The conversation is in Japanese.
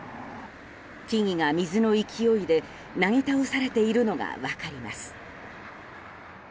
木々が、水の勢いでなぎ倒されているのが分かります。